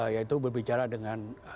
yaitu berbicara dengan